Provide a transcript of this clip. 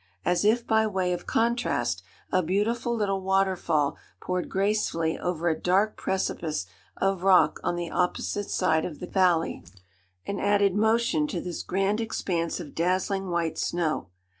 As if by way of contrast, a beautiful little waterfall poured gracefully over a dark precipice of rock on the opposite side of the valley, and added motion to this grand expanse of dazzling white snow.